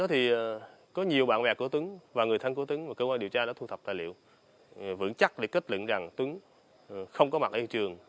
thì có nhiều bạn bè của tuấn và người thân của tuấn và cơ quan điều tra đã thu thập tài liệu vững chắc để kết luận rằng tuấn không có mặt hiện trường